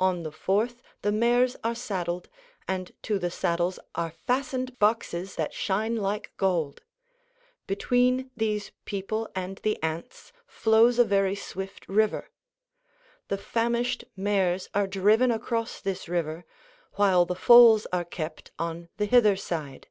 On the fourth the mares are saddled, and to the saddles are fastened boxes that shine like gold. Between these people and the ants flows a very swift river. The famished mares are driven across this river, while the foals are kept on the hither side.